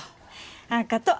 あっがとう。